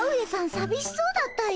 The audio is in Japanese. さびしそうだったよ。